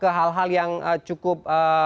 ke hal hal yang cukup